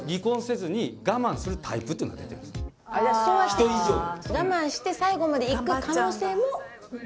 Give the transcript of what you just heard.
人以上に。